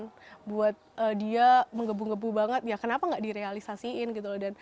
dan buat dia menggebu gebu banget ya kenapa gak direalisasiin gitu loh